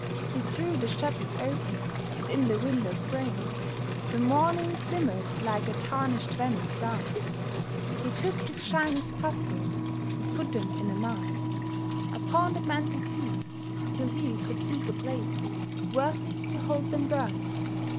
He threw the shutters open, and in the window frame The morning glimmered like a tarnished Venice glass. He took his Chinese pastilles and put them in a mass Upon the mantelpiece till he could seek a plate Worthy to hold them burning.